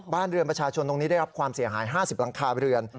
บ้านเรือนประชาชนตรงนี้ได้รับความเสียหาย๕๐หลังคาเรือน